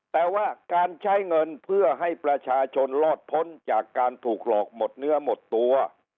แต่ว่าการใช้เงินเพื่อให้ประชาชนรอดพ้นจากการถูกหลอกหมดเนื้อหมดตัว